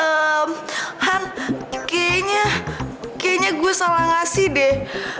hmm han kayaknya kayaknya gue salah ngasih deh